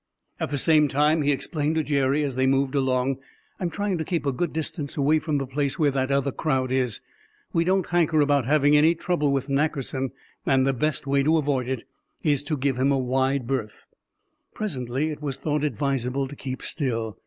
"At the same time," he explained to Jerry, as they moved along, "I'm trying to keep a good distance away from the place where that other crowd is. We don't hanker about having any trouble with Nackerson, and the best way to avoid it is to give him a wide berth." Presently it was thought advisable to keep still.